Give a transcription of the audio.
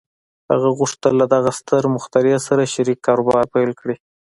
هغه غوښتل له دغه ستر مخترع سره شريک کاروبار پيل کړي.